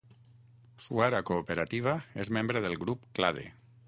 Suara Cooperativa és membre de Grup Clade.